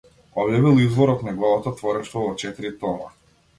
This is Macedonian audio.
Објавил избор од неговото творештво во четири тома.